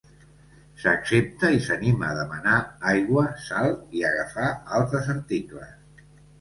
S'accepta i s'anima a demanar aigua, salt i agafar altres articles.